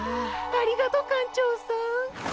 ありがとう館長さん。